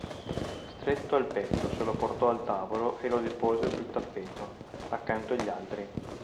Stretto al petto, se lo portò al tavolo e lo depose sul tappeto, accanto agli altri.